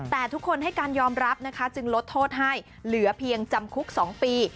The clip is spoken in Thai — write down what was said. แต่ทุกคนให้การยอมรับนะคะจึงลดโทษให้เหลือเพียงจำคุก๒ปี